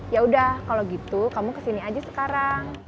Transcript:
yaudah kalau gitu kamu kesini aja sekarang